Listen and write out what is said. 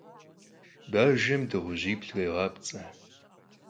Bajjem dığujibl khêğapts'e.